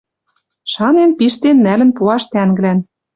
Шанен пиштен нӓлӹн пуаш тӓнглӓн